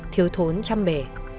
thiếu thốn chăm bể